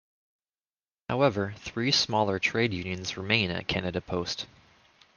However, three smaller trade unions remain at Canada Post.